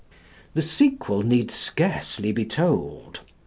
The sequel need scarcely be told.